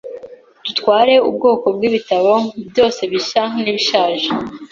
Dutwara ubwoko bwibitabo byose, bishya nibishaje.